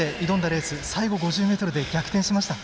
レース最後５０ｍで逆転しました。